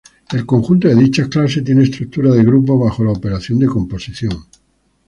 El conjunto de dichas clases tiene estructura de grupo bajo la operación de composición.